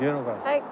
はい。